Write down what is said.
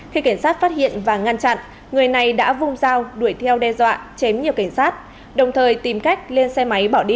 khi cảnh sát phát hiện và ngăn chặn người này đã vung dao đuổi theo đe dọa chém nhiều cảnh sát đồng thời tìm cách lên xe máy bỏ đi